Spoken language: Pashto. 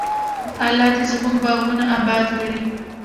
الله دې زموږ باغونه اباد لري.